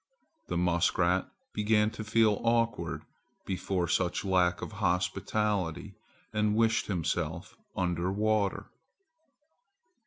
The muskrat began to feel awkward before such lack of hospitality and wished himself under water.